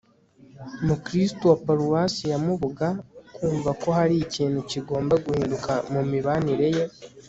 mukristu wa paruwasi ya mubuga kumva ko hari ikintu kigomba guhinduka mu mibanire ye